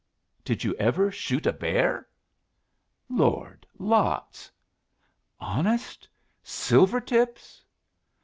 Did you ever shoot a bear?" "Lord! lots." "Honest? Silver tips?"